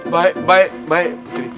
baik baik baik